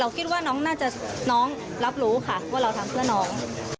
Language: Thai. คิดว่าน้องน่าจะน้องรับรู้ค่ะว่าเราทำเพื่อน้อง